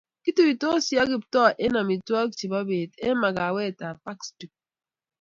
kituisoti ak Kiptoo eng omitwogik chebo beet eng makawetab Park Street